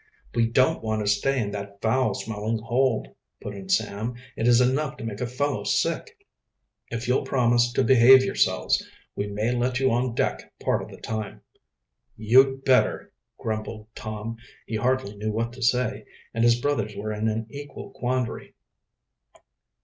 "We don't want to stay in that foul smelling hold," put in Sam. "It is enough to make a fellow sick." "If you'll promise to behave yourselves, we may let you on deck part of the time." "You'd better," grumbled Tom. He hardly knew what to say, and his brothers were in an equal quandary.